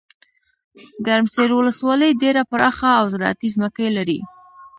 ګرمسیرولسوالۍ ډیره پراخه اوزراعتي ځمکي لري.